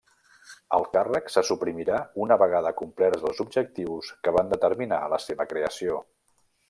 El càrrec se suprimirà una vegada complerts els objectius que van determinar la seva creació.